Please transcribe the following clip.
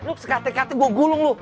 lu sekatek katek gua gulung lu